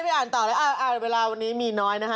ไปอ่านต่อเลยอ่าวเวลาวันนี้มีน้อยนะฮะ